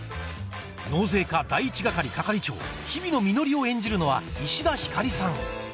納税課第一係係長日比野みのりを演じるのは石田ひかりさん